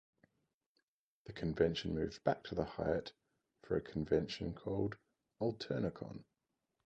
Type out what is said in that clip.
The convention moved back to the Hyatt for a convention called Alternacon.